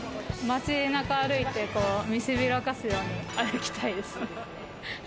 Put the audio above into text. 街中歩いて、見せびらかすように歩きたいです。